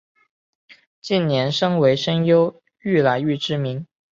近年身为声优愈来愈知名。